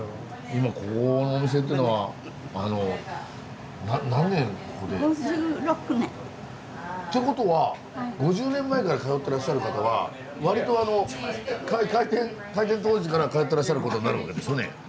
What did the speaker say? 今ここのお店っていうのは何年ここで？って事は５０年前から通ってらっしゃる方はわりとあの開店当時から通ってらっしゃる事になるわけですよね。